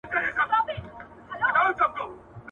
ولسي جرګه څنګه پېژندل کېږي؟